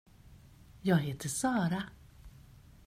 Jag heter Sara.